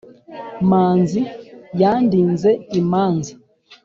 manzi yandinze imanza,